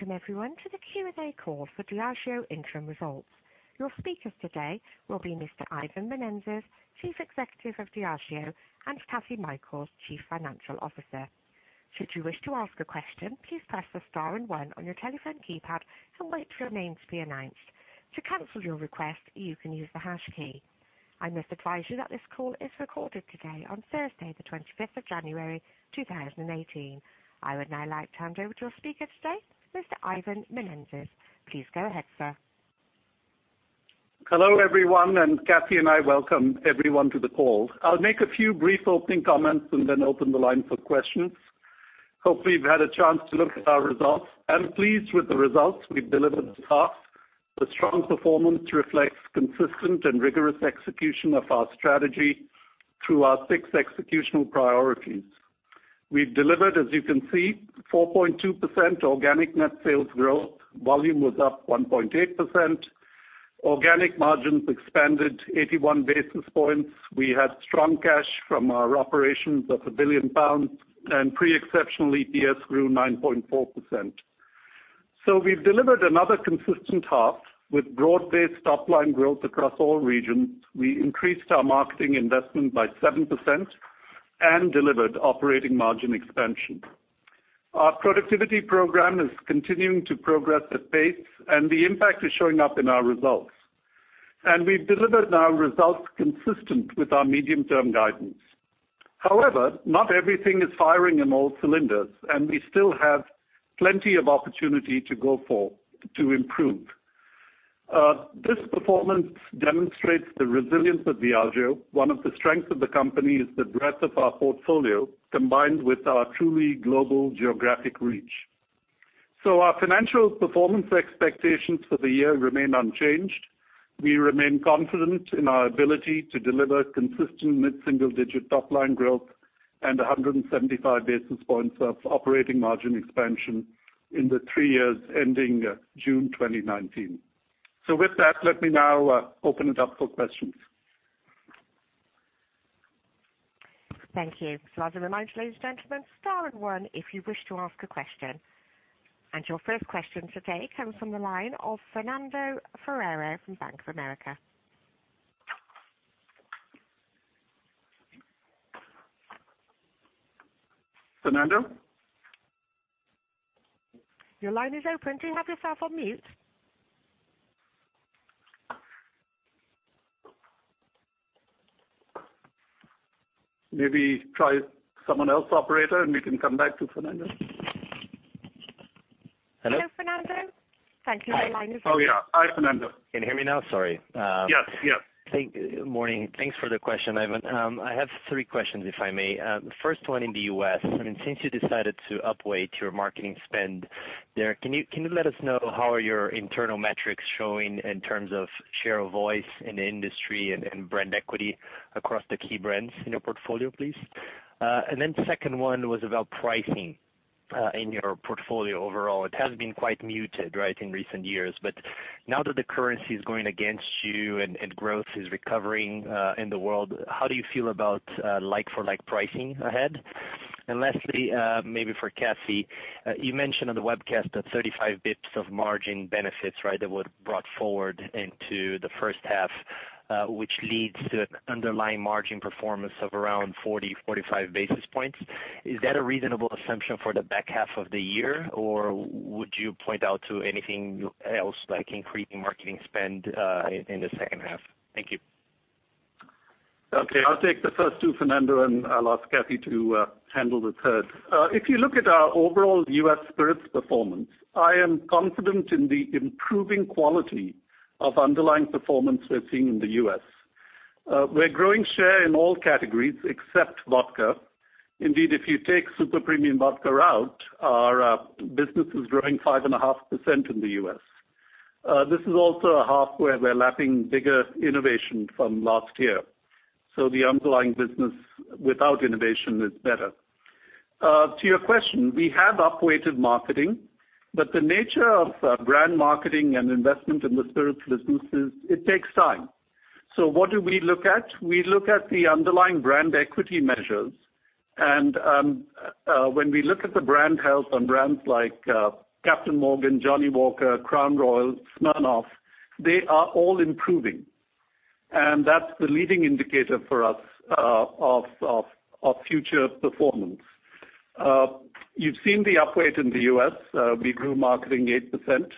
Welcome everyone to the Q&A call for Diageo Interim Results. Your speakers today will be Mr. Ivan Menezes, Chief Executive of Diageo, and Kathryn Mikells, Chief Financial Officer. Should you wish to ask a question, please press the star and one on your telephone keypad and wait for your name to be announced. To cancel your request, you can use the hash key. I must advise you that this call is recorded today on Thursday the 25th of January, 2018. I would now like to hand over to your speaker today, Mr. Ivan Menezes. Please go ahead, sir. Hello, everyone. Kathy and I welcome everyone to the call. I'll make a few brief opening comments and then open the line for questions. Hope you've had a chance to look at our results. I'm pleased with the results we've delivered this half. The strong performance reflects consistent and rigorous execution of our strategy through our six executional priorities. We've delivered, as you can see, 4.2% organic net sales growth. Volume was up 1.8%. Organic margins expanded 81 basis points. We had strong cash from our operations of 1 billion pounds, and pre-exceptional EPS grew 9.4%. We've delivered another consistent half with broad-based top-line growth across all regions. We increased our marketing investment by 7% and delivered operating margin expansion. Our productivity program is continuing to progress at pace, and the impact is showing up in our results. We've delivered our results consistent with our medium-term guidance. However, not everything is firing on all cylinders, and we still have plenty of opportunity to go for to improve. This performance demonstrates the resilience of Diageo. One of the strengths of the company is the breadth of our portfolio, combined with our truly global geographic reach. Our financial performance expectations for the year remain unchanged. We remain confident in our ability to deliver consistent mid-single-digit top-line growth and 175 basis points of operating margin expansion in the three years ending June 2019. With that, let me now open it up for questions. Thank you. As a reminder, ladies and gentlemen, star and one if you wish to ask a question. Your first question today comes from the line of Fernando Ferreira from Bank of America. Fernando? Your line is open. Do you have yourself on mute? Maybe try someone else, operator, and we can come back to Fernando. Hello? Hello, Fernando. Thank you. Your line is- Oh, yeah. Hi, Fernando. Can you hear me now? Sorry. Yes. Morning. Thanks for the question, Ivan. I have three questions, if I may. The first one in the U.S. Since you decided to upweight your marketing spend there, can you let us know how are your internal metrics showing in terms of share of voice in the industry and brand equity across the key brands in your portfolio, please? Second one was about pricing in your portfolio overall. It has been quite muted, right, in recent years. Now that the currency is going against you and growth is recovering in the world, how do you feel about like-for-like pricing ahead? Lastly, maybe for Kathy, you mentioned on the webcast that 35 basis points of margin benefits that were brought forward into the first half, which leads to an underlying margin performance of around 40, 45 basis points. Is that a reasonable assumption for the back half of the year, or would you point out to anything else, like increasing marketing spend in the second half? Thank you. Okay. I'll take the first two, Fernando, I'll ask Kathy to handle the third. If you look at our overall U.S. spirits performance, I am confident in the improving quality of underlying performance we're seeing in the U.S. We're growing share in all categories except vodka. Indeed, if you take super premium vodka out, our business is growing 5.5% in the U.S. This is also a half where we're lapping bigger innovation from last year. The underlying business without innovation is better. To your question, we have upweighted marketing, but the nature of brand marketing and investment in the spirits businesses, it takes time. What do we look at? We look at the underlying brand equity measures, when we look at the brand health on brands like Captain Morgan, Johnnie Walker, Crown Royal, Smirnoff, they are all improving. That's the leading indicator for us of future performance. You've seen the upweight in the U.S. We grew marketing 8%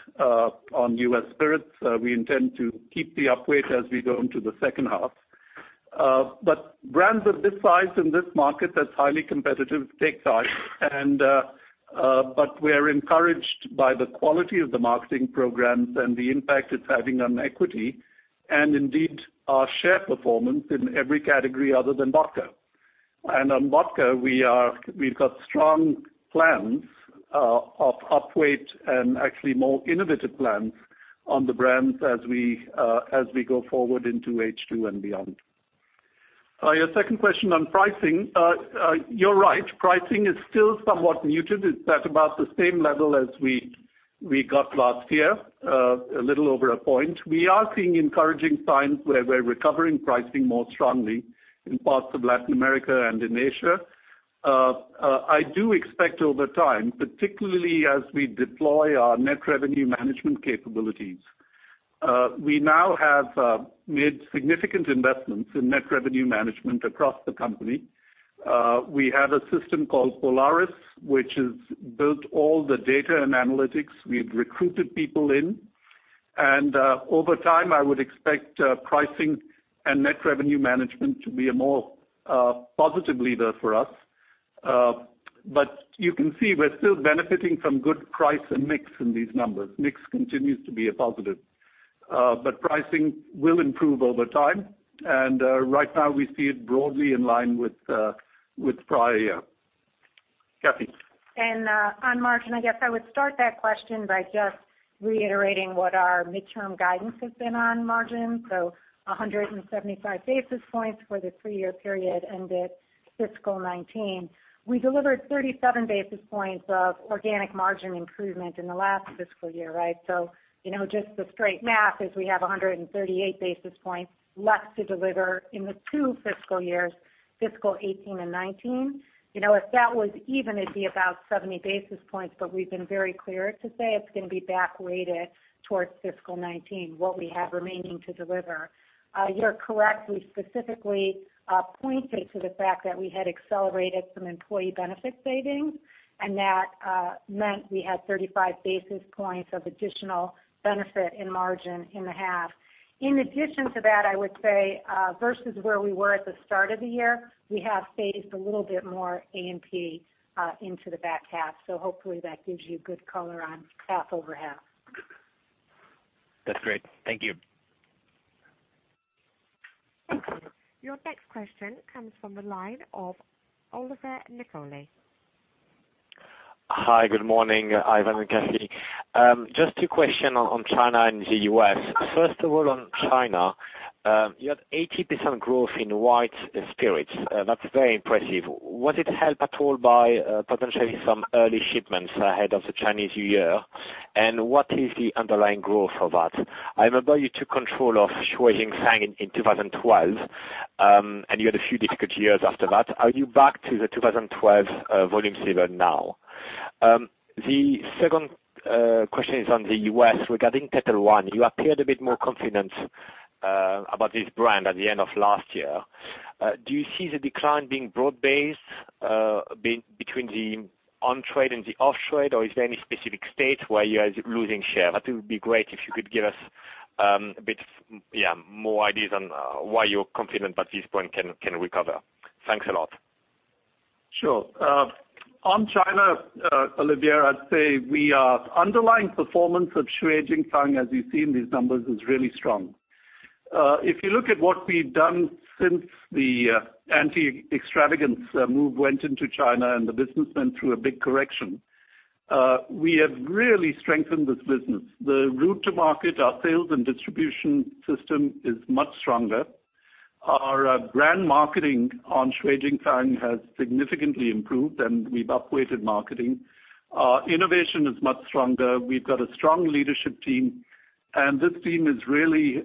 on U.S. spirits. We intend to keep the upweight as we go into the second half. Brands of this size in this market that's highly competitive take time. We're encouraged by the quality of the marketing programs and the impact it's having on equity, and indeed our share performance in every category other than vodka. On vodka, we've got strong plans of upweight and actually more innovative plans on the brands as we go forward into H2 and beyond. Your second question on pricing. You're right, pricing is still somewhat muted. It's at about the same level as we got last year, a little over a point. We are seeing encouraging signs where we're recovering pricing more strongly in parts of Latin America and in Asia. I do expect over time, particularly as we deploy our net revenue management capabilities. We now have made significant investments in net revenue management across the company. We have a system called Polaris, which has built all the data and analytics. We've recruited people in, and, over time, I would expect pricing and net revenue management to be a more positive leader for us. You can see we're still benefiting from good price and mix in these numbers. Mix continues to be a positive. Pricing will improve over time, and right now, we see it broadly in line with prior year. Kathy. On margin, I guess I would start that question by just reiterating what our midterm guidance has been on margin. 175 basis points for the three-year period ended fiscal 2019. We delivered 37 basis points of organic margin improvement in the last fiscal year, right? Just the straight math is we have 138 basis points left to deliver in the two fiscal years, fiscal 2018 and 2019. If that was even, it'd be about 70 basis points, but we've been very clear to say it's going to be back-weighted towards fiscal 2019, what we have remaining to deliver. You're correct. We specifically pointed to the fact that we had accelerated some employee benefit savings, and that meant we had 35 basis points of additional benefit in margin in the half. In addition to that, I would say, versus where we were at the start of the year, we have phased a little bit more A&P into the back half. Hopefully that gives you good color on half over half. That's great. Thank you. Thank you. Your next question comes from the line of Olivier Nicolai. Hi, good morning, Ivan and Kathy. Just two question on China and the U.S. First of all, on China, you had 80% growth in white spirits. That's very impressive. Was it helped at all by potentially some early shipments ahead of the Chinese New Year? What is the underlying growth of that? I remember you took control of Shui Jing Fang in 2012, and you had a few difficult years after that. Are you back to the 2012 volume level now? The second question is on the U.S. regarding Ketel One. You appeared a bit more confident about this brand at the end of last year. Do you see the decline being broad-based, between the on-trade and the off-trade, or is there any specific state where you are losing share? That would be great if you could give us a bit of more ideas on why you're confident that this brand can recover. Thanks a lot. Sure. On China, Olivier, I'd say underlying performance of Shui Jing Fang, as you see in these numbers, is really strong. If you look at what we've done since the anti-extravagance move went into China and the business went through a big correction, we have really strengthened this business. The route to market, our sales and distribution system is much stronger. Our brand marketing on Shui Jing Fang has significantly improved, and we've up-weighted marketing. Our innovation is much stronger. We've got a strong leadership team, and this team is really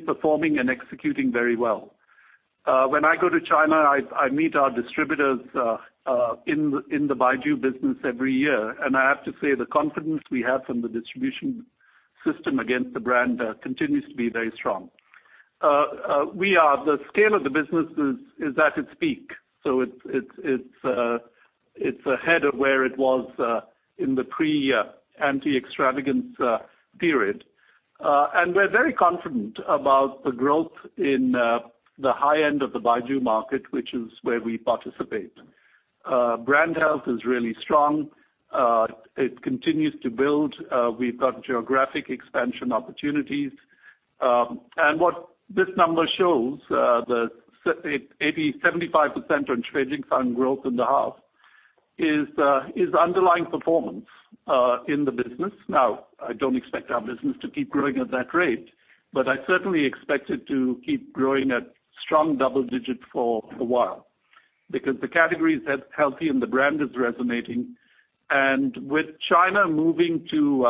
performing and executing very well. When I go to China, I meet our distributors in the baijiu business every year, and I have to say, the confidence we have from the distribution system against the brand continues to be very strong. The scale of the business is at its peak, so it's ahead of where it was in the pre anti-extravagance period. We're very confident about the growth in the high end of the baijiu market, which is where we participate. Brand health is really strong. It continues to build. We've got geographic expansion opportunities. What this number shows, the 75% on Shui Jing Fang growth in the half, is underlying performance in the business. Now, I don't expect our business to keep growing at that rate, but I certainly expect it to keep growing at strong double-digit for a while, because the category is healthy and the brand is resonating. With China moving to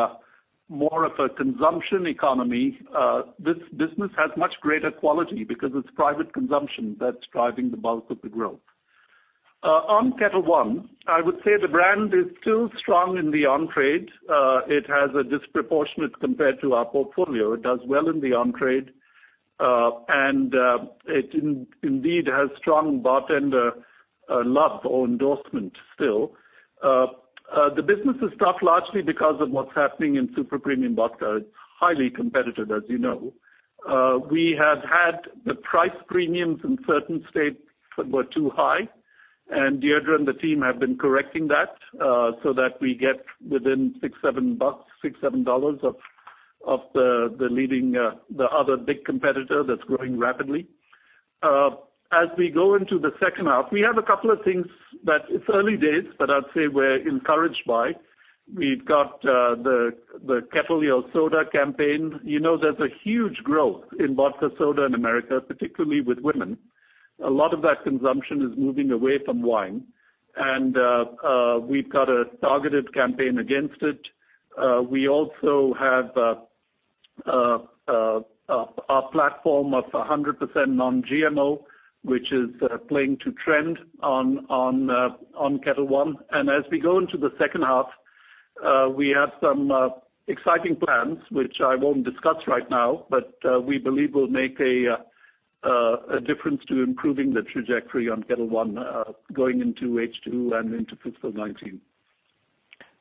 more of a consumption economy, this business has much greater quality because it's private consumption that's driving the bulk of the growth. On Ketel One, I would say the brand is still strong in the on-trade. It has a disproportionate compared to our portfolio. It does well in the on-trade. It indeed has strong bartender love or endorsement still. The business has stopped largely because of what's happening in super-premium vodka. It's highly competitive, as you know. We have had the price premiums in certain states that were too high, and Deirdre and the team have been correcting that, so that we get within six, $7 of the other big competitor that's growing rapidly. As we go into the second half, we have a couple of things that it's early days, but I'd say we're encouraged by. We've got the Ketel One Soda campaign. There's a huge growth in vodka-soda in America, particularly with women. A lot of that consumption is moving away from wine, and we've got a targeted campaign against it. We also have a platform of 100% non-GMO, which is playing to trend on Ketel One. As we go into the second half, we have some exciting plans, which I won't discuss right now, but we believe will make a difference to improving the trajectory on Ketel One going into H2 and into fiscal 2019.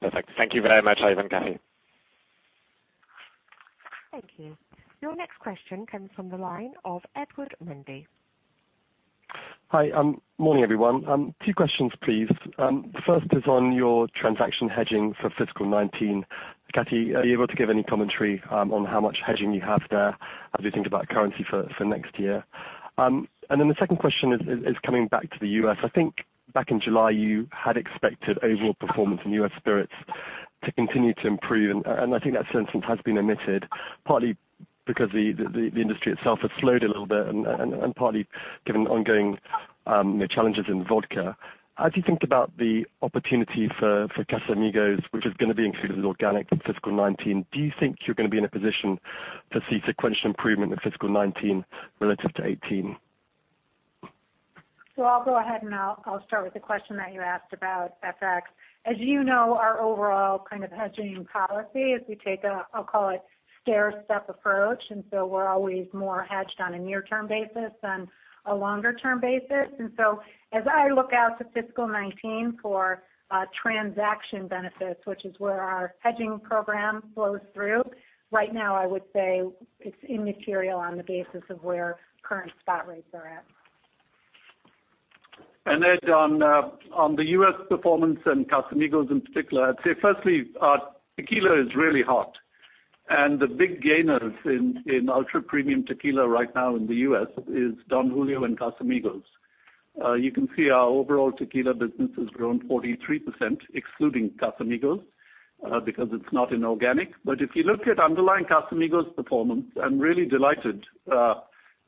Perfect. Thank you very much, Ivan, Kathryn. Thank you. Your next question comes from the line of Edward Mundy. Hi. Morning, everyone. Two questions, please. The first is on your transaction hedging for fiscal 2019. Kathryn, are you able to give any commentary on how much hedging you have there as you think about currency for next year? The second question is coming back to the U.S. I think back in July, you had expected overall performance in U.S. spirits to continue to improve, and I think that sentiment has been muted, partly because the industry itself has slowed a little bit and partly given ongoing challenges in vodka. As you think about the opportunity for Casamigos, which is going to be included as organic in fiscal 2019, do you think you're going to be in a position to see sequential improvement in fiscal 2019 relative to 2018? I'll go ahead, and I'll start with the question that you asked about FX. As you know, our overall kind of hedging policy is we take a, I'll call it, stairstep approach. We're always more hedged on a near-term basis than a longer-term basis. As I look out to fiscal 2019 for transaction benefits, which is where our hedging program flows through, right now, I would say it's immaterial on the basis of where current spot rates are at. On the U.S. performance, and Casamigos in particular, I'd say, firstly, tequila is really hot. The big gainers in ultra-premium tequila right now in the U.S. is Don Julio and Casamigos. You can see our overall tequila business has grown 43%, excluding Casamigos, because it's not in organic. If you look at underlying Casamigos performance, I'm really delighted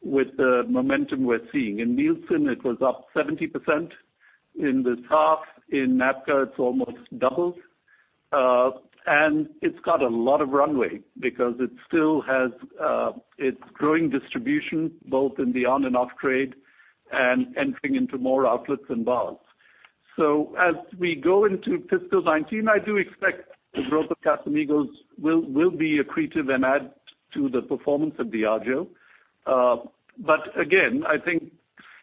with the momentum we're seeing. In Nielsen, it was up 70% in this half. In NABCA, it's almost doubled. It's got a lot of runway because it still has its growing distribution, both in the on-trade and off-trade, and entering into more outlets and bars. As we go into fiscal 2019, I do expect the growth of Casamigos will be accretive and add to the performance of Diageo. Again, I think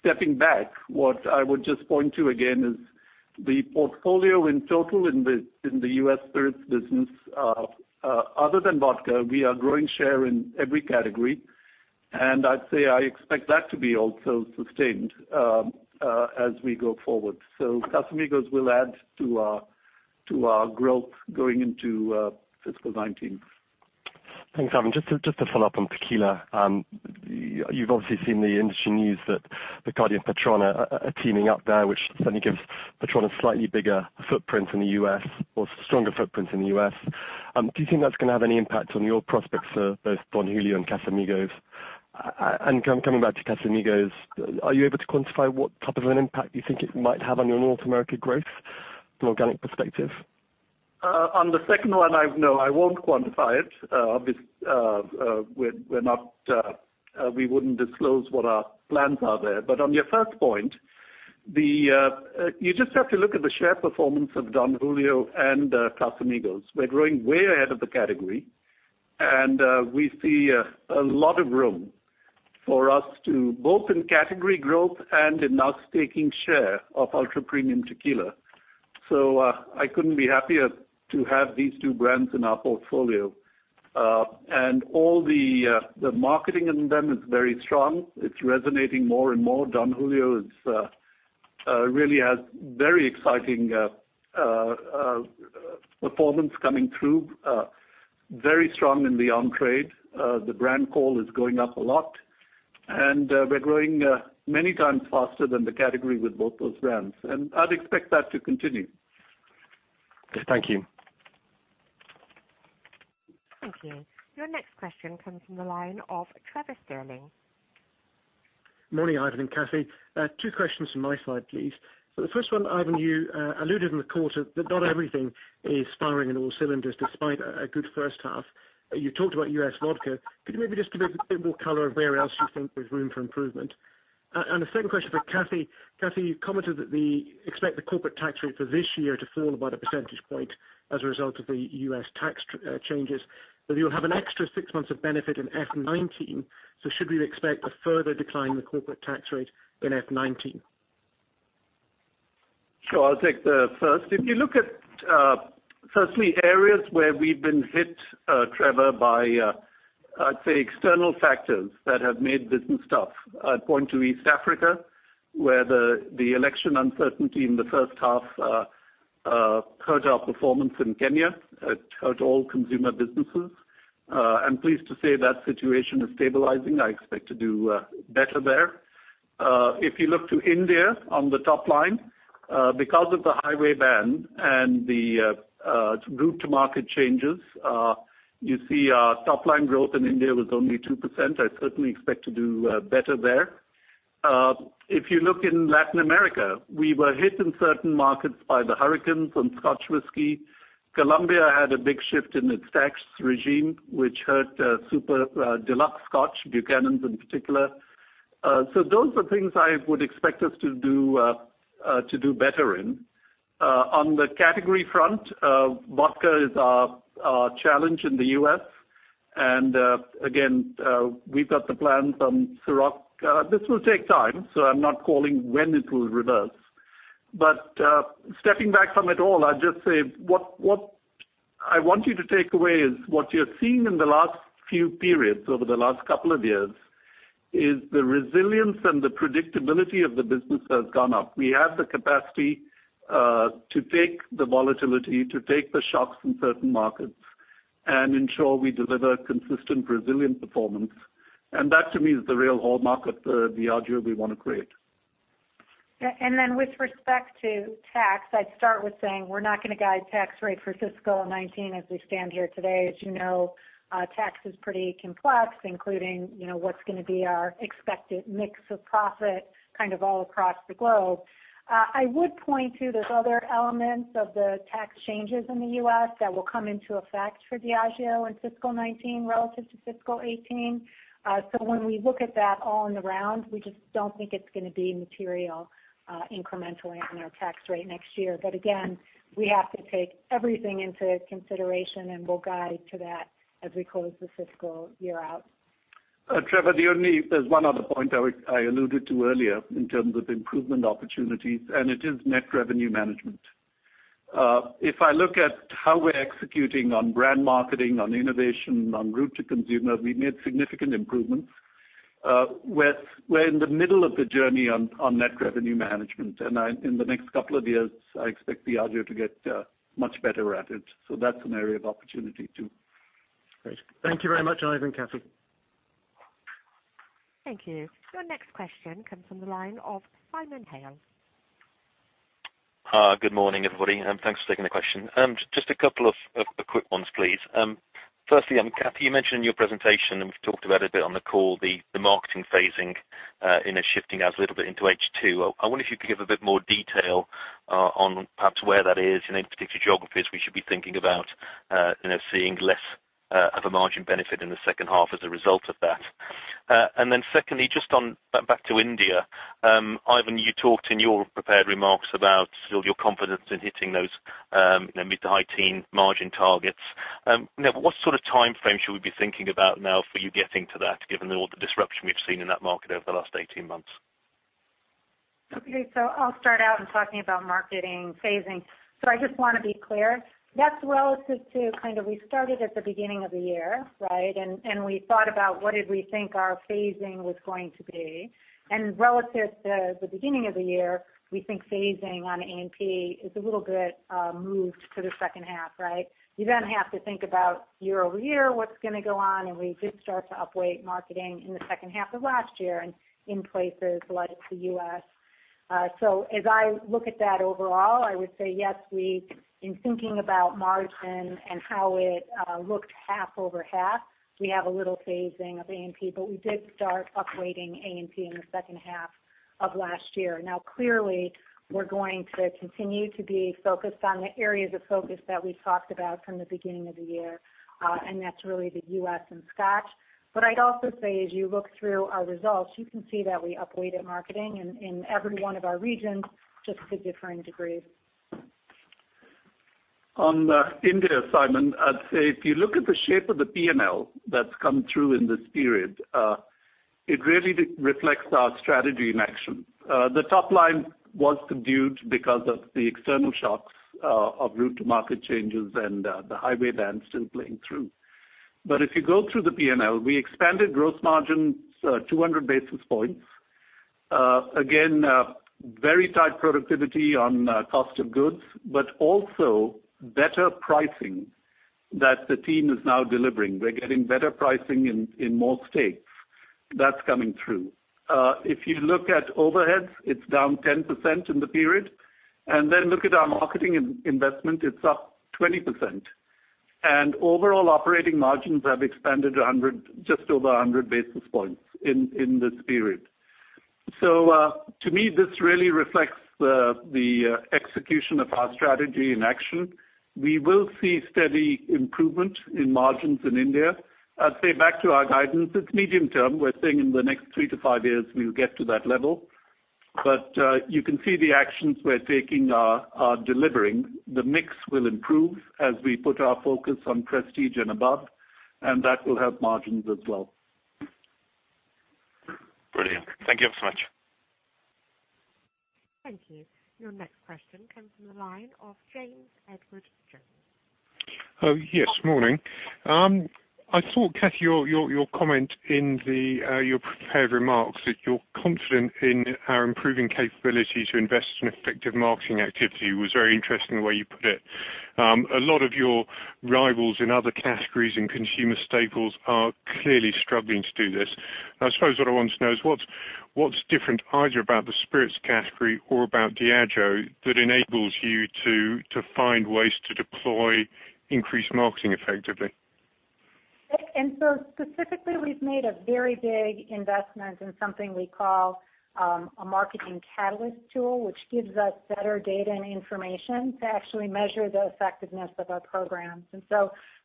stepping back, what I would just point to again is the portfolio in total in the U.S. spirits business. Other than vodka, we are growing share in every category, and I'd say I expect that to be also sustained as we go forward. Casamigos will add to our growth going into fiscal 2019. Thanks, Ivan. Just to follow up on tequila. You've obviously seen the industry news that Bacardi and Patrón are teaming up there, which suddenly gives Patrón a slightly bigger footprint in the U.S., or stronger footprint in the U.S. Do you think that's going to have any impact on your prospects for both Don Julio and Casamigos? Coming back to Casamigos, are you able to quantify what type of an impact you think it might have on your North America growth from organic perspective? On the second one, no, I won't quantify it. Obviously, we wouldn't disclose what our plans are there. On your first point, you just have to look at the share performance of Don Julio and Casamigos. We're growing way ahead of the category, and we see a lot of room for us to both in category growth and in us taking share of ultra-premium tequila. I couldn't be happier to have these two brands in our portfolio. All the marketing in them is very strong. It's resonating more and more. Don Julio really has very exciting performance coming through. Very strong in the on-trade. The brand call is going up a lot, and we're growing many times faster than the category with both those brands. I'd expect that to continue. Thank you. Thank you. Your next question comes from the line of Trevor Stirling. Morning, Ivan and Kathy. Two questions from my side, please. The first one, Ivan, you alluded in the quarter that not everything is firing in all cylinders, despite a good first half. You talked about U.S. vodka. Could you maybe just give a bit more color of where else you think there's room for improvement? The second question for Kathy. Kathy, you commented that you expect the corporate tax rate for this year to fall about a percentage point as a result of the U.S. tax changes, whether you'll have an extra six months of benefit in FY 2019. Should we expect a further decline in the corporate tax rate in FY 2019? Sure. I'll take the first. If you look at, firstly, areas where we've been hit, Trevor, by, I'd say, external factors that have made business tough. I'd point to East Africa, where the election uncertainty in the first half hurt our performance in Kenya. It hurt all consumer businesses. I'm pleased to say that situation is stabilizing. I expect to do better there. If you look to India on the top line, because of the highway ban and the route to market changes, you see our top line growth in India was only 2%. I certainly expect to do better there. If you look in Latin America, we were hit in certain markets by the hurricanes on Scotch whisky. Colombia had a big shift in its tax regime, which hurt super deluxe Scotch, Buchanan's in particular. Those are things I would expect us to do better in. On the category front, vodka is a challenge in the U.S. Again, we've got the plan from Cîroc. This will take time, so I'm not calling when it will reverse. Stepping back from it all, I'd just say what I want you to take away is what you're seeing in the last few periods over the last couple of years is the resilience and the predictability of the business has gone up. We have the capacity to take the volatility, to take the shocks in certain markets, and ensure we deliver consistent, resilient performance. That to me is the real hallmark of the Diageo we want to create. With respect to tax, I'd start with saying we're not going to guide tax rate for fiscal 2019 as we stand here today. As you know, tax is pretty complex, including what's going to be our expected mix of profit kind of all across the globe. I would point to those other elements of the tax changes in the U.S. that will come into effect for Diageo in fiscal 2019 relative to fiscal 2018. When we look at that all in the round, we just don't think it's going to be material incrementally on our tax rate next year. Again, we have to take everything into consideration, and we'll guide to that as we close the fiscal year out. Trevor, there's one other point I alluded to earlier in terms of improvement opportunities, and it is net revenue management. If I look at how we're executing on brand marketing, on innovation, on route to consumer, we've made significant improvements. We're in the middle of the journey on net revenue management, and in the next couple of years, I expect Diageo to get much better at it. That's an area of opportunity, too. Great. Thank you very much, Ivan, Kathy. Thank you. Your next question comes from the line of Simon Hales. Hi, good morning, everybody, and thanks for taking the question. Just a couple of quick ones, please. Firstly, Kathy, you mentioned in your presentation, we've talked about it a bit on the call, the marketing phasing is shifting a little bit into H2. I wonder if you could give a bit more detail on perhaps where that is. Any particular geographies we should be thinking about seeing less of a margin benefit in the second half as a result of that. Secondly, just on back to India. Ivan, you talked in your prepared remarks about your confidence in hitting those mid to high teen margin targets. What sort of time frame should we be thinking about now for you getting to that, given all the disruption we've seen in that market over the last 18 months? I'll start out in talking about marketing phasing. I just want to be clear. That's relative to kind of we started at the beginning of the year, right? We thought about what did we think our phasing was going to be. Relative to the beginning of the year, we think phasing on A&P is a little bit moved to the second half, right? You have to think about year-over-year, what's going to go on, and we did start to upweight marketing in the second half of last year and in places like the U.S. As I look at that overall, I would say, yes, in thinking about margin and how it looked half-over-half, we have a little phasing of A&P, but we did start upweighting A&P in the second half of last year. Clearly, we're going to continue to be focused on the areas of focus that we've talked about from the beginning of the year, and that's really the U.S. and Scotch. I'd also say as you look through our results, you can see that we upweighted marketing in every one of our regions, just to differing degrees. On India, Simon, I'd say if you look at the shape of the P&L that's come through in this period, it really reflects our strategy in action. The top line was subdued because of the external shocks of route to market changes and the highway ban still playing through. If you go through the P&L, we expanded gross margins 200 basis points. Again, very tight productivity on cost of goods, but also better pricing that the team is now delivering. We're getting better pricing in more states. That's coming through. If you look at overheads, it's down 10% in the period. Overall operating margins have expanded just over 100 basis points in this period. To me, this really reflects the execution of our strategy in action. We will see steady improvement in margins in India. I'd say back to our guidance, it's medium term. We're saying in the next three to five years, we'll get to that level. You can see the actions we're taking are delivering. The mix will improve as we put our focus on prestige and above, and that will help margins as well. Brilliant. Thank you ever so much. Thank you. Your next question comes from the line of James Edwardes Jones. Oh, yes. Morning. I thought, Kathy, your comment in your prepared remarks that you're confident in our improving capability to invest in effective marketing activity was very interesting the way you put it. A lot of your rivals in other categories in consumer staples are clearly struggling to do this. I suppose what I want to know is what's different, either about the spirits category or about Diageo, that enables you to find ways to deploy increased marketing effectively? Specifically, we've made a very big investment in something we call a Marketing Catalyst tool, which gives us better data and information to actually measure the effectiveness of our programs.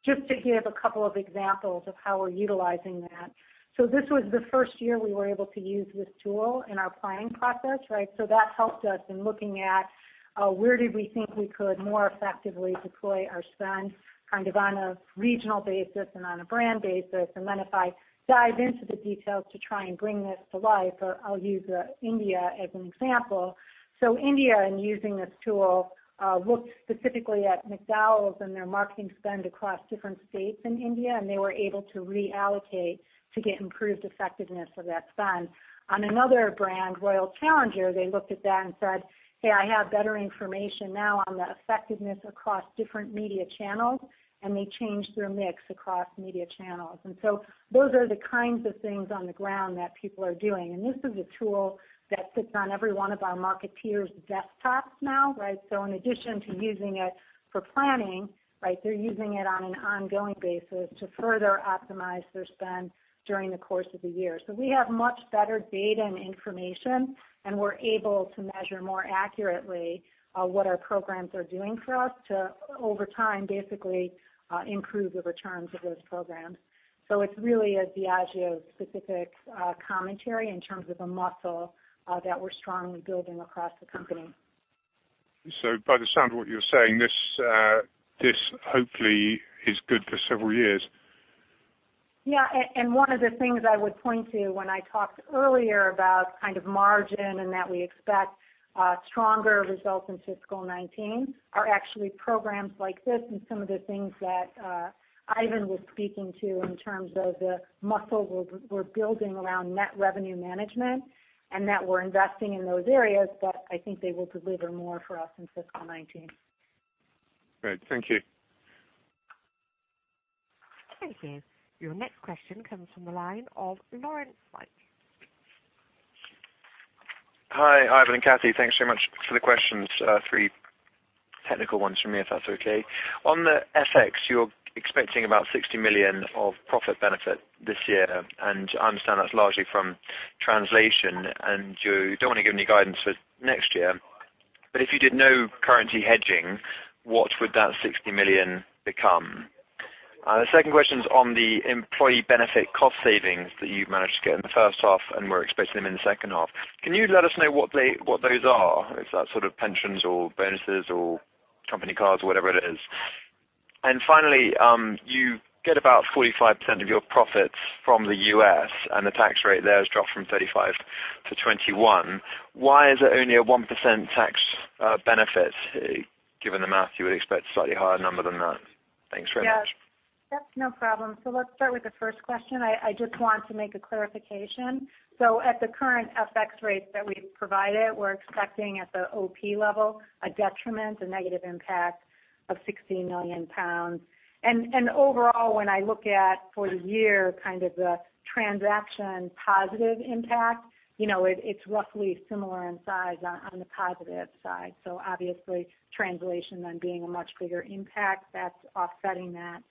Just to give a couple of examples of how we're utilizing that. This was the first year we were able to use this tool in our planning process. That helped us in looking at where did we think we could more effectively deploy our spend on a regional basis and on a brand basis. If I dive into the details to try and bring this to life, I'll use India as an example. India, in using this tool, looked specifically at McDowell's and their marketing spend across different states in India, and they were able to reallocate to get improved effectiveness of that spend. On another brand, Royal Challenge, they looked at that and said, "Hey, I have better information now on the effectiveness across different media channels," and they changed their mix across media channels. Those are the kinds of things on the ground that people are doing. This is a tool that sits on every one of our marketeers' desktops now. In addition to using it for planning, they're using it on an ongoing basis to further optimize their spend during the course of the year. We have much better data and information, and we're able to measure more accurately what our programs are doing for us to, over time, basically improve the returns of those programs. It's really a Diageo-specific commentary in terms of a muscle that we're strongly building across the company. By the sound of what you're saying, this hopefully is good for several years. One of the things I would point to when I talked earlier about margin and that we expect stronger results in fiscal 2019, are actually programs like this and some of the things that Ivan was speaking to in terms of the muscle we are building around net revenue management, and that we are investing in those areas, but I think they will deliver more for us in fiscal 2019. Great. Thank you. Thank you. Your next question comes from the line of Laurence Knight. Hi, Ivan and Kathy. Thanks very much for the questions. Three technical ones from me, if that is okay. On the FX, you are expecting about 60 million of profit benefit this year, I understand that is largely from translation. You do not want to give any guidance for next year, but if you did no currency hedging, what would that 60 million become? The second question is on the employee benefit cost savings that you have managed to get in the first half and were expecting them in the second half. Can you let us know what those are? Is that pensions or bonuses or company cars or whatever it is? Finally, you get about 45% of your profits from the U.S., and the tax rate there has dropped from 35% to 21%. Why is it only a 1% tax benefit? Given the math, you would expect a slightly higher number than that. Thanks very much. Yeah. That's no problem. Let's start with the first question. I just want to make a clarification. At the current FX rates that we've provided, we're expecting at the OP level, a detriment, a negative impact of 60 million pounds. Overall, when I look at, for the year, the transaction positive impact, it's roughly similar in size on the positive side. Obviously, translation then being a much bigger impact, that's offsetting that.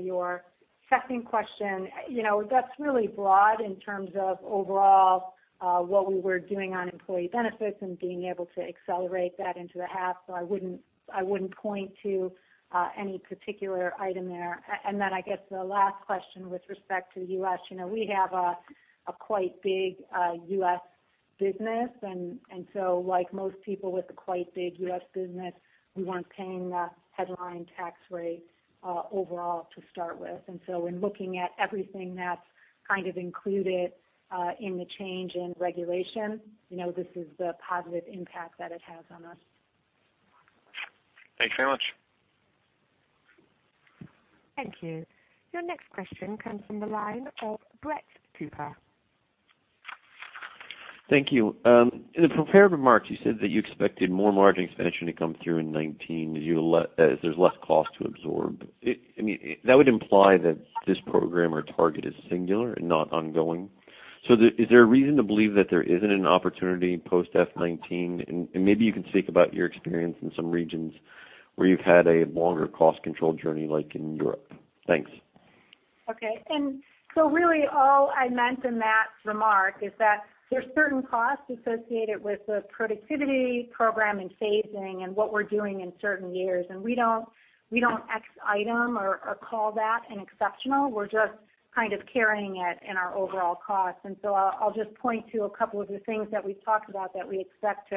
Your second question, that's really broad in terms of overall what we were doing on employee benefits and being able to accelerate that into the half, so I wouldn't point to any particular item there. I guess the last question with respect to the U.S., we have a quite big U.S. business. Like most people with a quite big U.S. business, we weren't paying the headline tax rate overall to start with. When looking at everything that's included in the change in regulation, this is the positive impact that it has on us. Thanks very much. Thank you. Your next question comes from the line of Brett Cooper. Thank you. In the prepared remarks, you said that you expected more margin expansion to come through in 2019, as there's less cost to absorb. That would imply that this program or target is singular and not ongoing. Is there a reason to believe that there isn't an opportunity post FY 2019? Maybe you can speak about your experience in some regions where you've had a longer cost control journey, like in Europe. Thanks. Okay. Really all I meant in that remark is that there are certain costs associated with the productivity program and phasing and what we're doing in certain years, and we don't ex item or call that an exceptional, we're just kind of carrying it in our overall costs. I'll just point to a couple of the things that we've talked about that we expect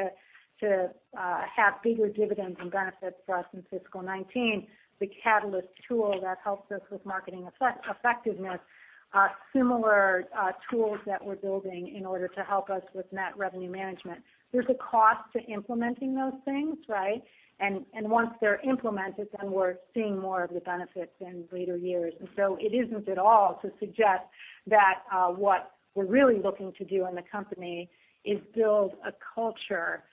to have bigger dividends and benefits for us in fiscal 2019. The Catalyst tool that helps us with marketing effectiveness, similar tools that we're building in order to help us with net revenue management. There's a cost to implementing those things, right? Once they're implemented, we're seeing more of the benefits in later years. It isn't at all to suggest that what we're really looking to do in the company is build a culture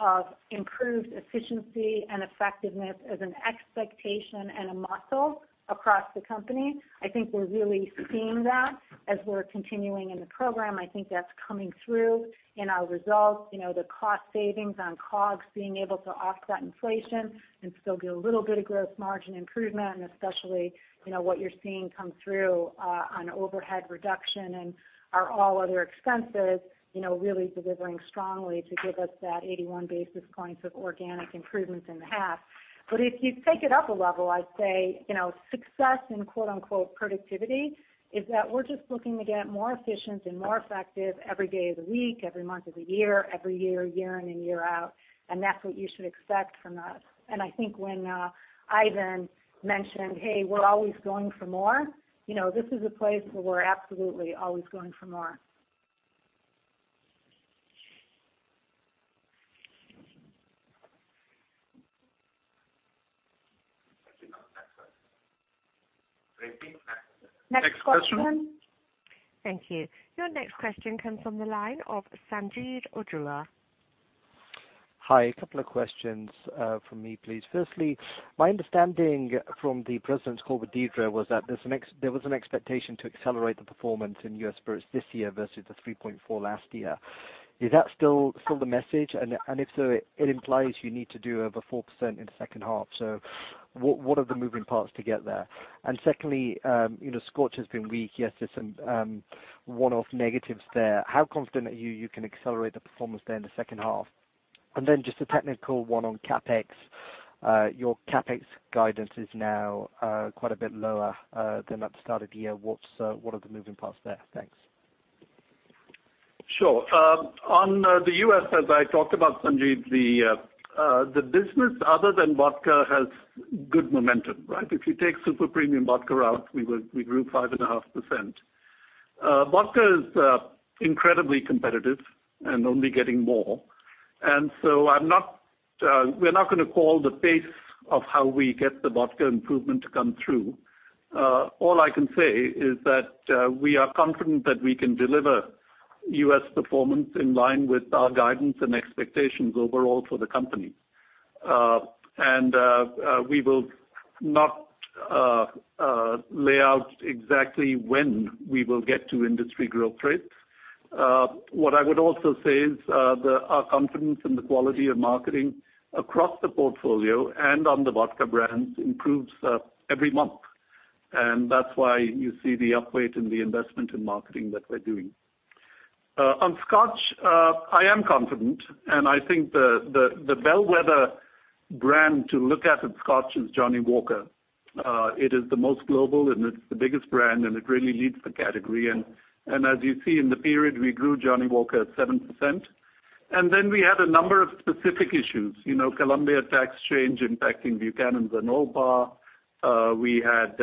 of improved efficiency and effectiveness as an expectation and a muscle across the company. I think we're really seeing that as we're continuing in the program. I think that's coming through in our results. The cost savings on COGS, being able to offset that inflation and still get a little bit of gross margin improvement, and especially, what you're seeing come through on overhead reduction and our all other expenses, really delivering strongly to give us that 81 basis points of organic improvements in the half. If you take it up a level, I'd say, success in "productivity" is that we're just looking to get more efficient and more effective every day of the week, every month of the year, every year in and year out, and that's what you should expect from us. I think when Ivan mentioned, hey, we're always going for more, this is a place where we're absolutely always going for more. Thank you. Next question. Next question. Thank you. Your next question comes from the line of Sanjeet Aujla. Hi. A couple of questions from me, please. Firstly, my understanding from the President's call with Deirdre was that there was an expectation to accelerate the performance in U.S. Spirits this year versus the 3.4% last year. Is that still the message? If so, it implies you need to do over 4% in the second half. What are the moving parts to get there? Secondly, Scotch has been weak. Yes, there's some one-off negatives there. How confident are you can accelerate the performance there in the second half? Then just a technical one on CapEx. Your CapEx guidance is now quite a bit lower than at the start of the year. What are the moving parts there? Thanks. Sure. On the U.S., as I talked about Sanjeet, the business other than vodka has good momentum, right? If you take super premium vodka out, we grew 5.5%. Vodka is incredibly competitive and only getting more. We're not going to call the pace of how we get the vodka improvement to come through. All I can say is that we are confident that we can deliver U.S. performance in line with our guidance and expectations overall for the company. We will not lay out exactly when we will get to industry growth rates. What I would also say is that our confidence in the quality of marketing across the portfolio and on the vodka brands improves every month. That's why you see the upweight in the investment in marketing that we're doing. On Scotch, I am confident, I think the bellwether brand to look at in Scotch is Johnnie Walker. It is the most global, it's the biggest brand, it really leads the category. As you see in the period, we grew Johnnie Walker at 7%. We had a number of specific issues. Colombia tax change impacting Buchanan's and Oban. We had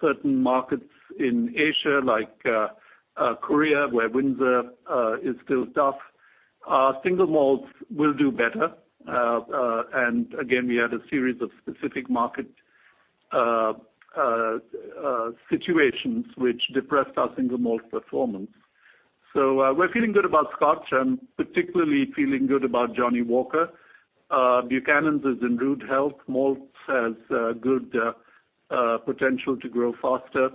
certain markets in Asia, like Korea, where Windsor is still tough. Single Malts will do better. Again, we had a series of specific market situations which depressed our Single Malt performance. We're feeling good about Scotch, and particularly feeling good about Johnnie Walker. Buchanan's is in good health. Malts has good potential to grow faster.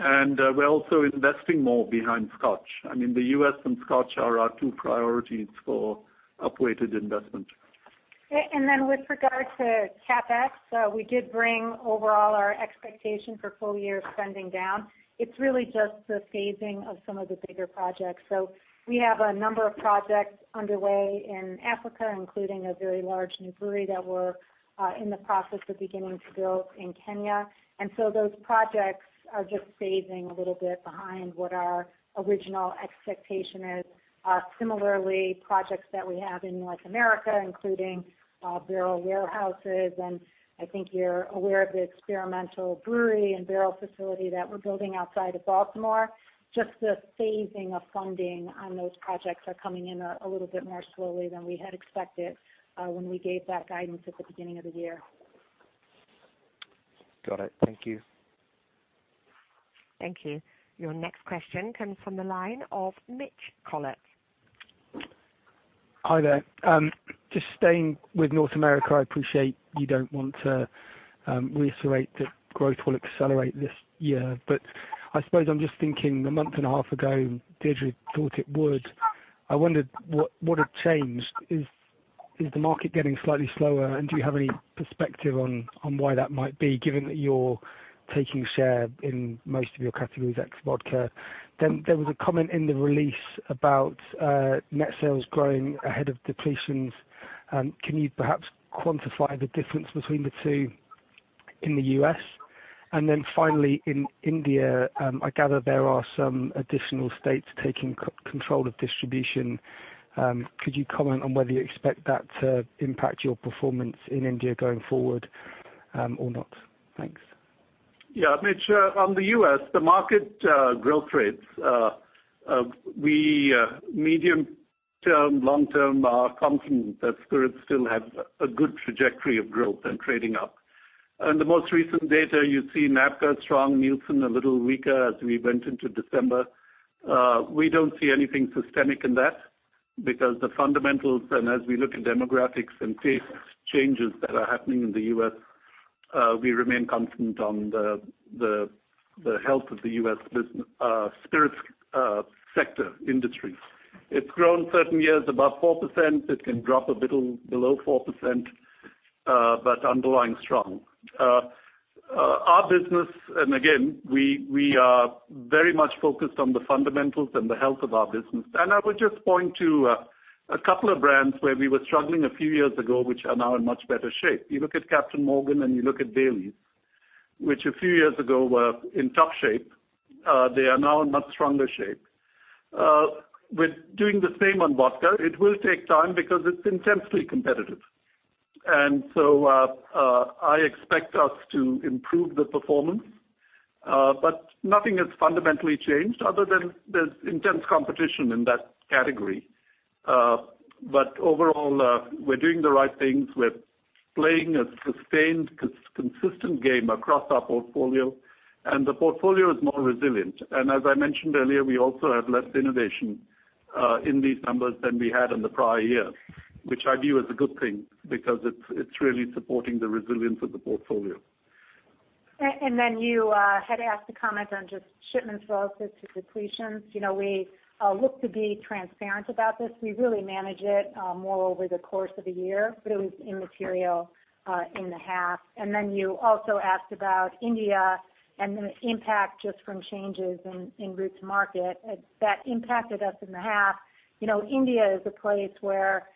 We're also investing more behind Scotch. The U.S. and Scotch are our two priorities for upweighted investment. With regard to CapEx, we did bring overall our expectation for full year spending down. It's really just the phasing of some of the bigger projects. We have a number of projects underway in Africa, including a very large new brewery that we're in the process of beginning to build in Kenya. Those projects are just phasing a little bit behind what our original expectation is. Similarly, projects that we have in North America, including barrel warehouses, I think you're aware of the experimental brewery and barrel facility that we're building outside of Baltimore. Just the phasing of funding on those projects are coming in a little bit more slowly than we had expected when we gave that guidance at the beginning of the year. Got it. Thank you. Thank you. Your next question comes from the line of Mitch Collett. Hi there. Just staying with North America, I appreciate you don't want to reiterate that growth will accelerate this year, but I suppose I'm just thinking a month and a half ago, Deirdre thought it would. I wondered what had changed. Is the market getting slightly slower? Do you have any perspective on why that might be, given that you're taking share in most of your categories, ex-vodka? There was a comment in the release about net sales growing ahead of depletions. Can you perhaps quantify the difference between the two in the U.S.? Finally, in India, I gather there are some additional states taking control of distribution. Could you comment on whether you expect that to impact your performance in India going forward or not? Thanks. Yeah, Mitch, on the U.S., the market growth rates, we medium term, long term are confident that spirits still have a good trajectory of growth and trading up. In the most recent data, you see NABCA strong, Nielsen a little weaker as we went into December. We don't see anything systemic in that because the fundamentals, and as we look at demographics and taste changes that are happening in the U.S., we remain confident on the health of the U.S. spirits sector industry. It's grown certain years above 4%. It can drop a little below 4%, but underlying strong. Our business, and again, we are very much focused on the fundamentals and the health of our business. I would just point to a couple of brands where we were struggling a few years ago, which are now in much better shape. You look at Captain Morgan, and you look at Baileys, which a few years ago were in tough shape. They are now in much stronger shape. We're doing the same on vodka. It will take time because it's intensely competitive. I expect us to improve the performance. Nothing has fundamentally changed other than there's intense competition in that category. Overall, we're doing the right things. We're playing a sustained, consistent game across our portfolio, and the portfolio is more resilient. As I mentioned earlier, we also have less innovation in these numbers than we had in the prior year, which I view as a good thing because it's really supporting the resilience of the portfolio. You had asked to comment on just shipments relative to depletions. We look to be transparent about this. We really manage it more over the course of a year, but it was immaterial in the half. You also asked about India and the impact just from changes in route to market that impacted us in the half. India is a place where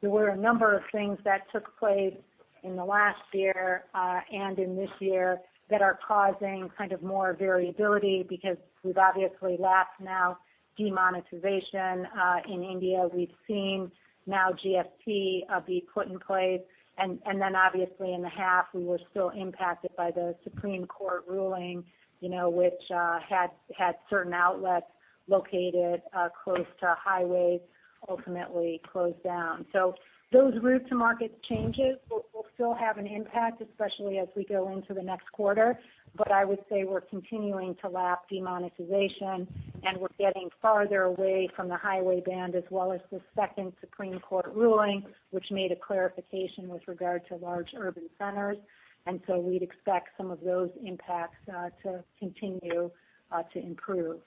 there were a number of things that took place in the last year, and in this year that are causing kind of more variability because we've obviously lapped now demonetization. In India, we've seen now GST be put in place. Obviously in the half, we were still impacted by the Supreme Court ruling, which had certain outlets located close to highways ultimately close down. Those route to market changes will still have an impact, especially as we go into the next quarter. I would say we're continuing to lap demonetization, and we're getting farther away from the highway ban, as well as the second Supreme Court ruling, which made a clarification with regard to large urban centers. We'd expect some of those impacts to continue to improve.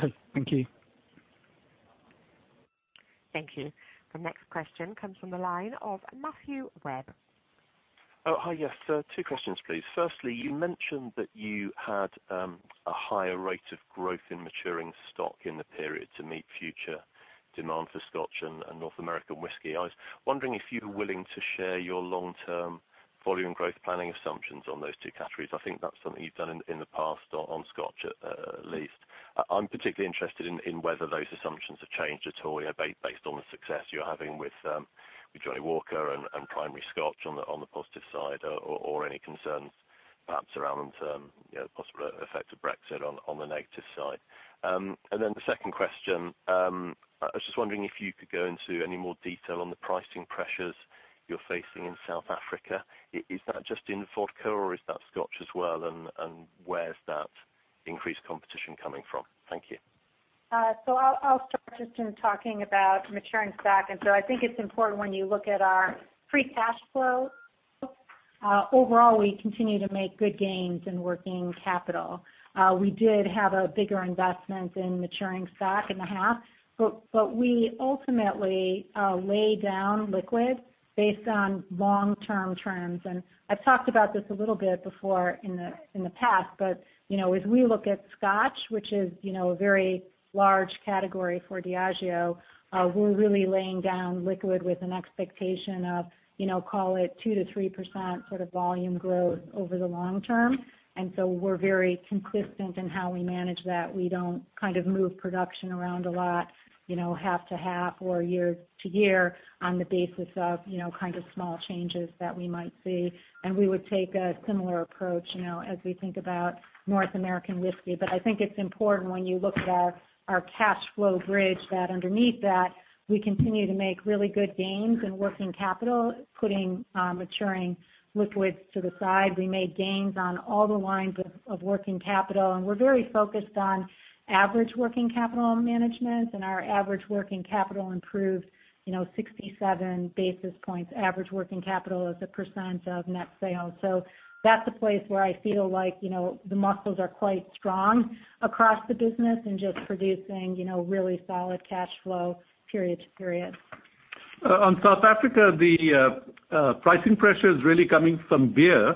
Okay. Thank you. Thank you. The next question comes from the line of Matthew Webb. Oh, hi. Yes, two questions, please. Firstly, you mentioned that you had a higher rate of growth in maturing stock in the period to meet future demand for Scotch and North American whiskey. I was wondering if you were willing to share your long-term volume growth planning assumptions on those two categories. I think that's something you've done in the past on Scotch, at least. I'm particularly interested in whether those assumptions have changed at all based on the success you're having with Johnnie Walker and primary Scotch on the positive side, or any concerns perhaps around possible effects of Brexit on the negative side. The second question, I was just wondering if you could go into any more detail on the pricing pressures you're facing in South Africa. Is that just in vodka, or is that Scotch as well, and where's that increased competition coming from? Thank you. I'll start just in talking about maturing stock. I think it's important when you look at our free cash flow. Overall, we continue to make good gains in working capital. We did have a bigger investment in maturing stock in the half, but we ultimately lay down liquid based on long-term trends. I've talked about this a little bit before in the past, but as we look at Scotch, which is a very large category for Diageo, we're really laying down liquid with an expectation of call it 2%-3% sort of volume growth over the long term. We're very consistent in how we manage that. We don't kind of move production around a lot half to half or year to year on the basis of kind of small changes that we might see. We would take a similar approach as we think about North American whiskey. I think it's important when you look at our cash flow bridge, that underneath that, we continue to make really good gains in working capital, putting maturing liquids to the side. We made gains on all the lines of working capital, and we're very focused on average working capital management, and our average working capital improved 67 basis points. Average working capital as a % of net sales. That's a place where I feel like the muscles are quite strong across the business and just producing really solid cash flow period to period. South Africa, the pricing pressure is really coming from beer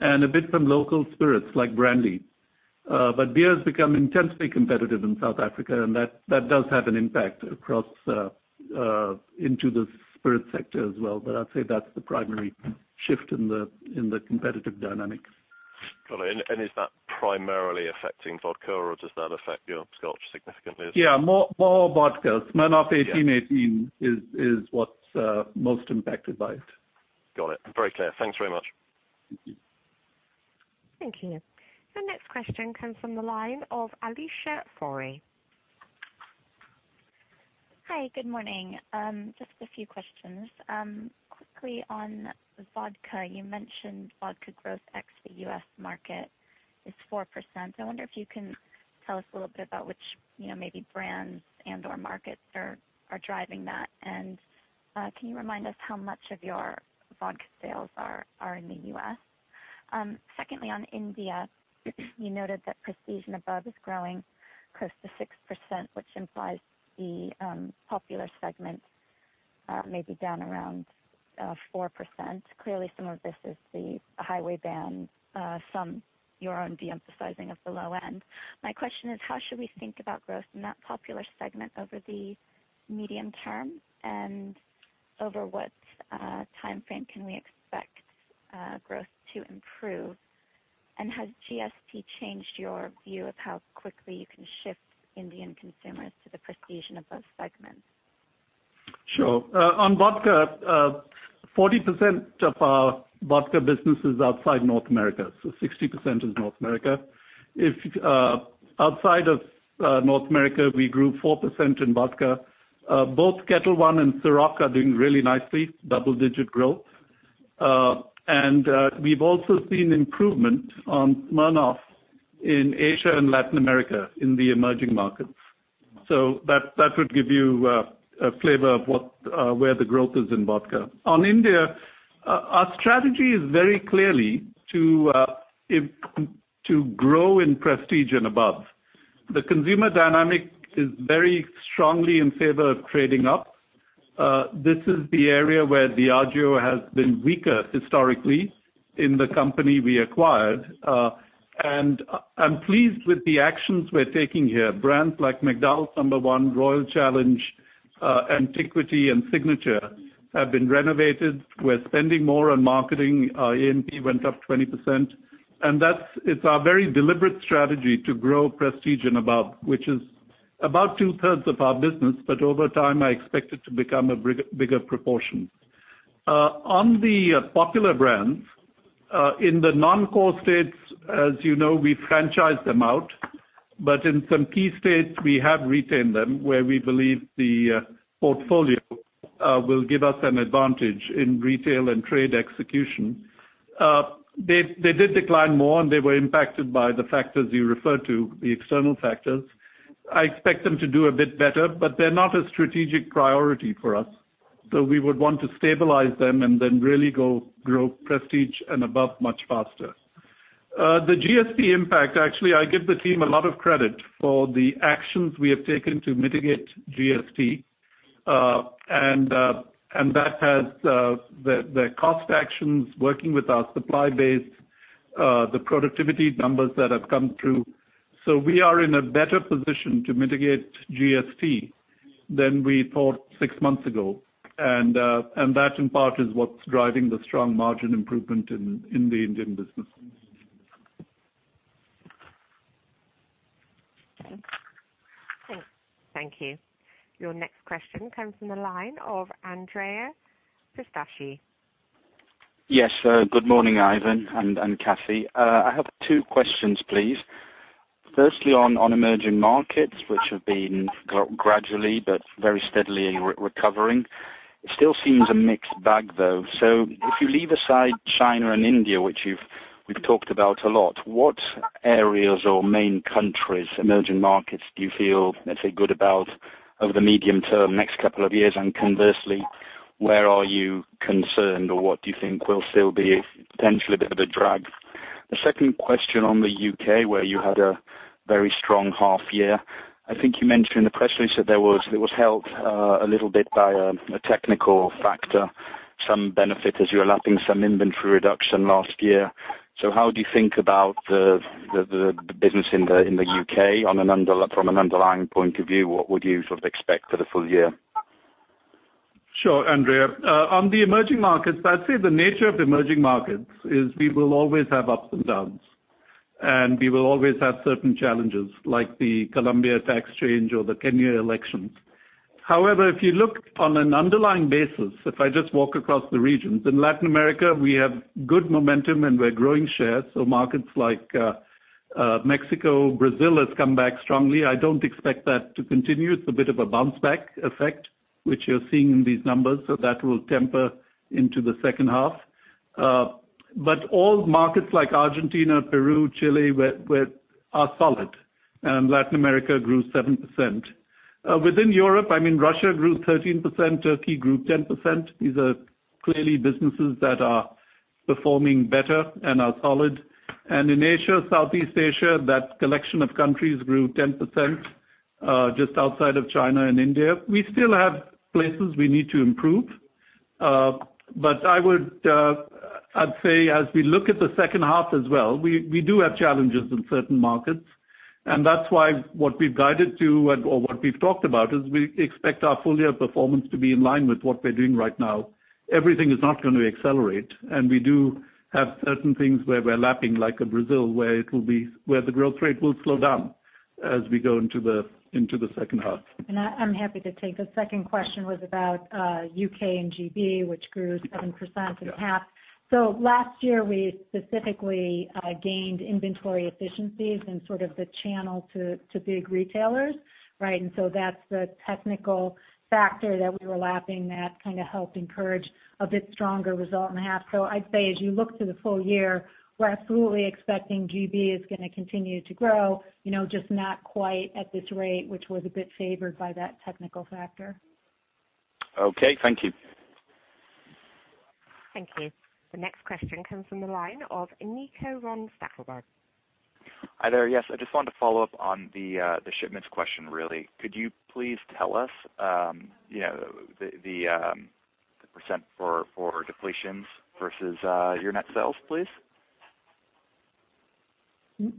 and a bit from local spirits like brandy. Beer has become intensely competitive in South Africa, and that does have an impact across into the spirit sector as well. I'd say that's the primary shift in the competitive dynamics. Got it. Is that primarily affecting vodka, or does that affect your Scotch significantly as- Yeah. More vodka. Smirnoff- Yeah 1818 is what's most impacted by it. Got it. Very clear. Thanks very much. Thank you. Your next question comes from the line of Alicia Forry. Hi. Good morning. Just a few questions. Quickly on vodka, you mentioned vodka growth ex the U.S. market is 4%. I wonder if you can tell us a little bit about which maybe brands and/or markets are driving that. Can you remind us how much of your vodka sales are in the U.S.? Secondly, on India, you noted that prestige and above is growing close to 6%, which implies the popular segment may be down around 4%. Clearly, some of this is the highway ban, some your own de-emphasizing of the low end. My question is, how should we think about growth in that popular segment over the medium term, and over what timeframe can we expect growth to improve? Has GST changed your view of how quickly you can shift Indian consumers to the prestige and above segments? Sure. On vodka, 40% of our vodka business is outside North America. 60% is North America. Outside of North America, we grew 4% in vodka. Both Ketel One and Cîroc are doing really nicely, double-digit growth. We've also seen improvement on Smirnoff in Asia and Latin America in the emerging markets. That would give you a flavor of where the growth is in vodka. On India, our strategy is very clearly to grow in prestige and above. The consumer dynamic is very strongly in favor of trading up. This is the area where Diageo has been weaker historically in the company we acquired. I'm pleased with the actions we're taking here. Brands like McDowell's No.1, Royal Challenge, Antiquity, and Signature have been renovated. We're spending more on marketing. Our A&P went up 20%. It's our very deliberate strategy to grow prestige and above, which is about two-thirds of our business, but over time, I expect it to become a bigger proportion. On the popular brands, in the non-core states, as you know, we franchise them out, but in some key states, we have retained them where we believe the portfolio will give us an advantage in retail and trade execution. They did decline more, and they were impacted by the factors you referred to, the external factors. I expect them to do a bit better, but they're not a strategic priority for us. We would want to stabilize them and then really go grow prestige and above much faster. The GST impact, actually, I give the team a lot of credit for the actions we have taken to mitigate GST. That has the cost actions, working with our supply base, the productivity numbers that have come through. We are in a better position to mitigate GST than we thought 6 months ago. That, in part, is what's driving the strong margin improvement in the Indian business. Okay. Thanks. Thank you. Your next question comes from the line of Andrea Pistacchi. Yes. Good morning, Ivan and Kathy. I have two questions, please. Firstly, on emerging markets, which have been gradually but very steadily recovering. It still seems a mixed bag, though. If you leave aside China and India, which we've talked about a lot, what areas or main countries, emerging markets, do you feel, let's say, good about over the medium term, next couple of years? Conversely, where are you concerned, or what do you think will still be potentially a bit of a drag? The second question on the U.K., where you had a very strong half year. I think you mentioned in the press release that it was helped a little bit by a technical factor, some benefit as you are lapping some inventory reduction last year. How do you think about the business in the U.K. from an underlying point of view? What would you sort of expect for the full year? Sure, Andrea. On the emerging markets, I'd say the nature of emerging markets is we will always have ups and downs, and we will always have certain challenges, like the Colombia tax change or the Kenya elections. If you look on an underlying basis, if I just walk across the regions. In Latin America, we have good momentum, and we're growing share. Markets like Mexico. Brazil has come back strongly. I don't expect that to continue. It's a bit of a bounce back effect, which you're seeing in these numbers. That will temper into the second half. All markets like Argentina, Peru, Chile are solid. Latin America grew 7%. Within Europe, Russia grew 13%, Turkey grew 10%. These are clearly businesses that are performing better and are solid. In Asia, Southeast Asia, that collection of countries grew 10% just outside of China and India. We still have places we need to improve. I'd say, as we look at the second half as well, we do have challenges in certain markets. That's why what we've guided to or what we've talked about is we expect our full-year performance to be in line with what we're doing right now. Everything is not going to accelerate, and we do have certain things where we're lapping, like in Brazil, where the growth rate will slow down as we go into the second half. I'm happy to take the second question was about U.K. and GB, which grew 7% in the half. Last year, we specifically gained inventory efficiencies in sort of the channel to big retailers, right? That's the technical factor that we were lapping that kind of helped encourage a bit stronger result in the half. I'd say, as you look to the full year, we're absolutely expecting GB is going to continue to grow, just not quite at this rate, which was a bit favored by that technical factor. Okay. Thank you. Thank you. The next question comes from the line of Eniko Ron Stackelberg. Hi, there. Yes, I just wanted to follow up on the shipments question, really. Could you please tell us the % for depletions versus your net sales, please?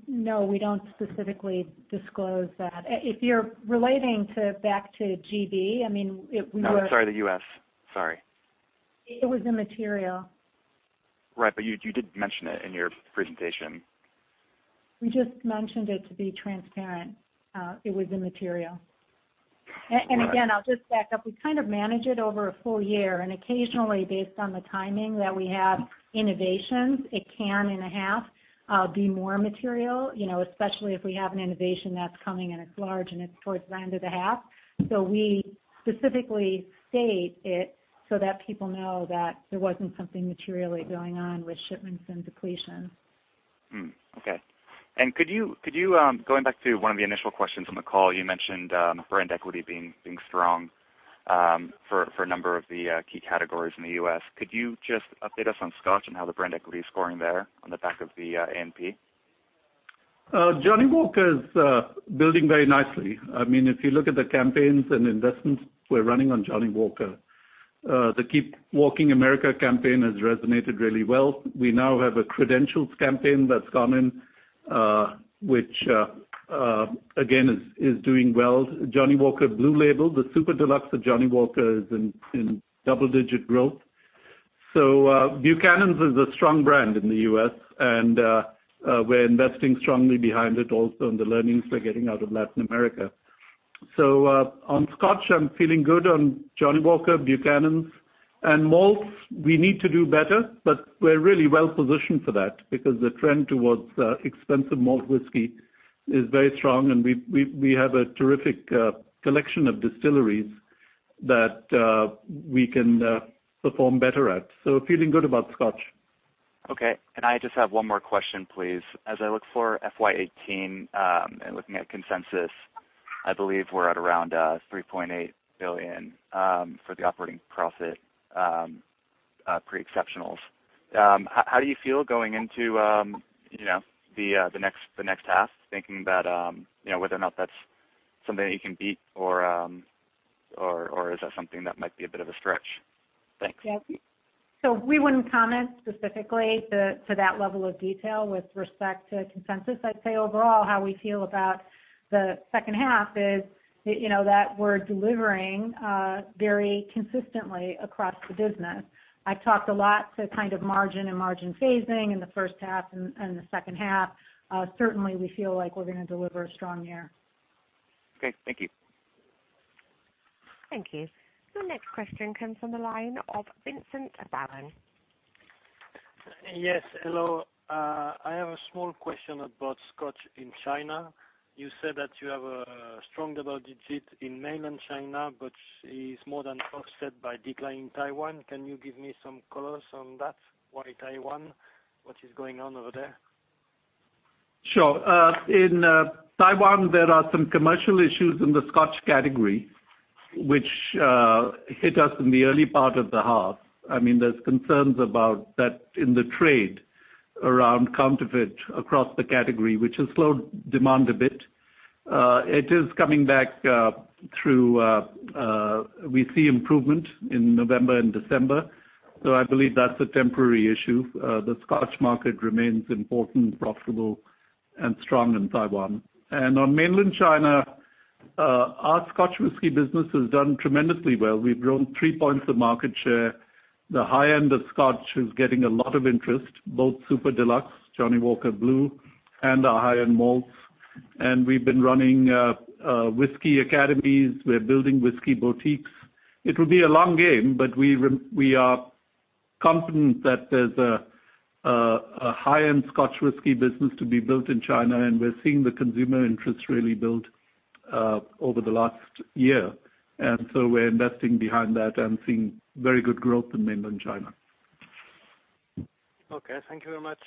No, we don't specifically disclose that. If you're relating back to GB, I mean. No, sorry. The U.S. Sorry. It was immaterial. Right, you did mention it in your presentation. We just mentioned it to be transparent. It was immaterial. All right. Again, I'll just back up. We kind of manage it over a full year, occasionally, based on the timing that we have innovations, it can, in a half, be more material, especially if we have an innovation that's coming, it's large, and it's towards the end of the half. We specifically state it so that people know that there wasn't something materially going on with shipments and depletions. Hmm. Okay. Going back to one of the initial questions on the call, you mentioned brand equity being strong for a number of the key categories in the U.S. Could you just update us on Scotch and how the brand equity is scoring there on the back of the A&P? Johnnie Walker's building very nicely. If you look at the campaigns and investments we're running on Johnnie Walker, the Keep Walking America campaign has resonated really well. We now have a credentials campaign that's gone in, which, again, is doing well. Johnnie Walker Blue Label, the super-deluxe of Johnnie Walker, is in double-digit growth. Buchanan's is a strong brand in the U.S., we're investing strongly behind it also, the learnings we're getting out of Latin America. On Scotch, I'm feeling good on Johnnie Walker, Buchanan's, and malts, we need to do better, we're really well positioned for that because the trend towards expensive malt whisky is very strong, we have a terrific collection of distilleries that we can perform better at. Feeling good about Scotch. Okay. I just have one more question, please. As I look for FY 2018, and looking at consensus, I believe we're at around 3.8 billion for the operating profit, pre-exceptionals. How do you feel going into the next half, thinking about whether or not that's something that you can beat, or is that something that might be a bit of a stretch? Thanks. We wouldn't comment specifically to that level of detail with respect to consensus. I'd say overall, how we feel about the second half is that we're delivering very consistently across the business. I've talked a lot to kind of margin and margin phasing in the first half and the second half. Certainly, we feel like we're going to deliver a strong year. Okay. Thank you. Thank you. The next question comes from the line of Vincent Barren. Yes, hello. I have a small question about Scotch in China. You said that you have a strong double-digit in Mainland China, but is more than offset by decline in Taiwan. Can you give me some colors on that? Why Taiwan? What is going on over there? Sure. In Taiwan, there are some commercial issues in the Scotch category, which hit us in the early part of the half. There's concerns about that in the trade around counterfeit across the category, which has slowed demand a bit. It is coming back through. We see improvement in November and December, so I believe that's a temporary issue. The Scotch market remains important, profitable, and strong in Taiwan. On Mainland China, our Scotch whisky business has done tremendously well. We've grown three points of market share. The high end of Scotch is getting a lot of interest, both super-deluxe, Johnnie Walker Blue, and our high-end malts. We've been running whisky academies. We're building whisky boutiques. It will be a long game, but we are confident that there's a high-end Scotch whisky business to be built in China, and we're seeing the consumer interest really build over the last year. We're investing behind that and seeing very good growth in Mainland China. Okay. Thank you very much.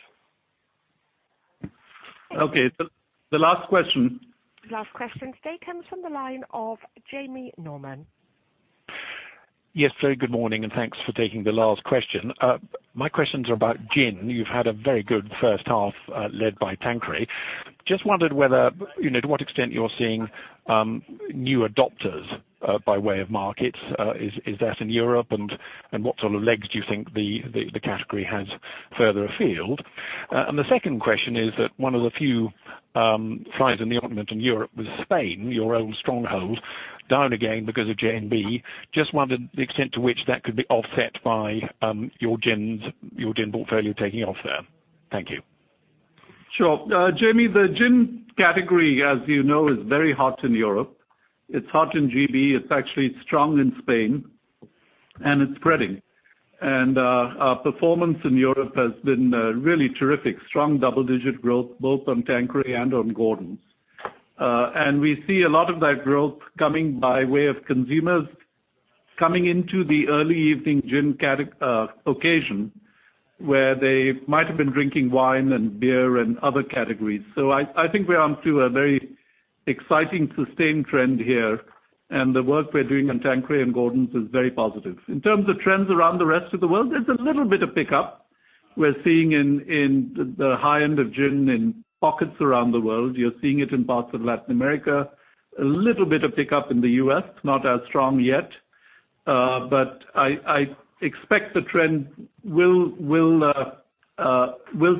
Okay. The last question. Last question today comes from the line of Jamie Norman. Yes. Very good morning, thanks for taking the last question. My questions are about gin. You've had a very good first half led by Tanqueray. Just wondered to what extent you're seeing new adopters by way of markets. Is that in Europe? What sort of legs do you think the category has further afield? The second question is that one of the few flies in the ointment in Europe was Spain, your own stronghold, down again because of J&B. Just wondered the extent to which that could be offset by your gin portfolio taking off there. Thank you. Sure. Jamie, the gin category, as you know, is very hot in Europe. It's hot in GB. It's actually strong in Spain, it's spreading. Our performance in Europe has been really terrific. Strong double-digit growth both on Tanqueray and on Gordon's. We see a lot of that growth coming by way of consumers coming into the early evening gin occasion, where they might have been drinking wine and beer and other categories. I think we're on to a very exciting, sustained trend here, the work we're doing on Tanqueray and Gordon's is very positive. In terms of trends around the rest of the world, there's a little bit of pickup we're seeing in the high end of gin in pockets around the world. You're seeing it in parts of Latin America. A little bit of pickup in the U.S., not as strong yet. I expect the trend will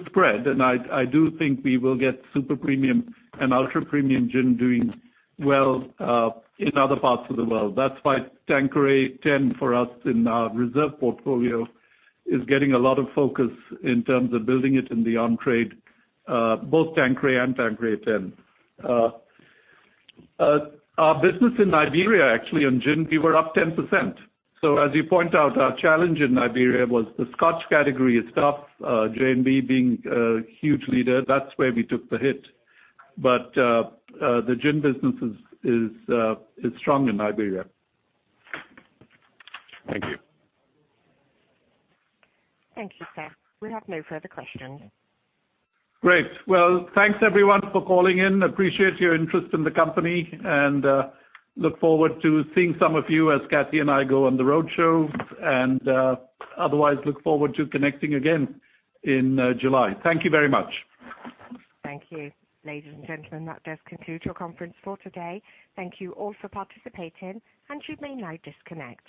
spread. I do think we will get super premium and ultra premium gin doing well in other parts of the world. That's why Tanqueray 10 for us in our reserve portfolio is getting a lot of focus in terms of building it in the on-trade, both Tanqueray and Tanqueray 10. Our business in Nigeria, actually, in gin, we were up 10%. As you point out, our challenge in Nigeria was the Scotch category is tough. J&B being a huge leader. That's where we took the hit. The gin business is strong in Nigeria. Thank you. Thank you, sir. We have no further questions. Great. Well, thanks everyone for calling in. Appreciate your interest in the company, look forward to seeing some of you as Kathy and I go on the roadshow, otherwise, look forward to connecting again in July. Thank you very much. Thank you. Ladies and gentlemen, that does conclude your conference for today. Thank you all for participating, and you may now disconnect.